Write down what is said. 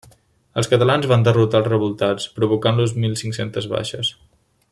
Els catalans van derrotar els revoltats, provocant-los mil cinc-centes baixes.